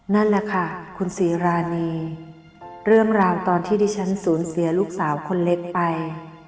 นั่นแหละค่ะคุณศรีรานีเรื่องราวตอนที่ดิฉันสูญเสียลูกสาวคนเล็กไป